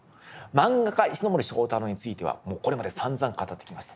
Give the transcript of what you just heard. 萬画家石森章太郎についてはもうこれまでさんざん語ってきました。